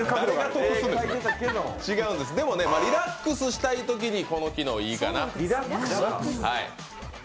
リラックスしたいときにこの機能いいかな。